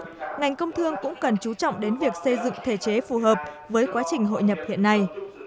vì vậy ngành công thương cũng cần chú trọng đến việc xây dựng thể chế phù hợp với quá trình hội nhập hiện nay